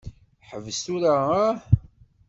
Ḥbes tura hah.